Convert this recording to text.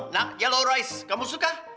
nah yellow rice kamu suka